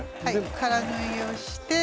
空縫いをして。